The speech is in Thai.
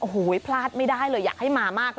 โอ้โหพลาดไม่ได้เลยอยากให้มามาก